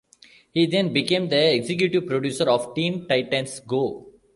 He then became the executive producer of Teen Titans Go!